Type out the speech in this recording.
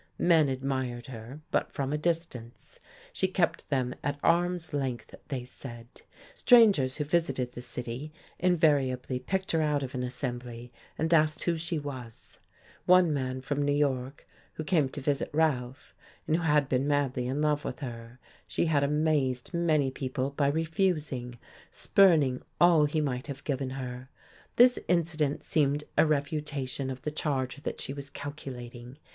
Men admired her, but from a distance; she kept them at arm's length, they said: strangers who visited the city invariably picked her out of an assembly and asked who she was; one man from New York who came to visit Ralph and who had been madly in love with her, she had amazed many people by refusing, spurning all he might have given her. This incident seemed a refutation of the charge that she was calculating.